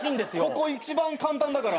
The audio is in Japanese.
ここ一番簡単だから。